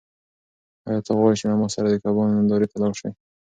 آیا ته غواړې چې له ما سره د کبانو نندارې ته لاړ شې؟